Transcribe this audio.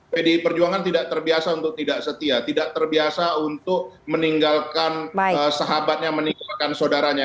pdi perjuangan tidak terbiasa untuk tidak setia tidak terbiasa untuk meninggalkan sahabatnya meninggalkan saudaranya